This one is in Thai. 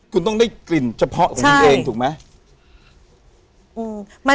คุณต้องได้กลิ่นเฉพาะของคุณเองถูกไหม